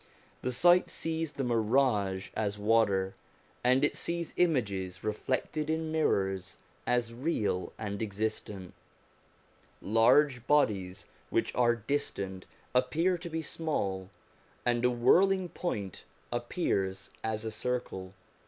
The sight sees the mirage as water, and it sees images reflected in mirrors as real and existent ; large bodies which are distant appear to be small, and a whirling point appears as a circle.